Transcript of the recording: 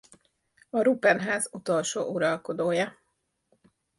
A Rupen-ház utolsó uralkodója.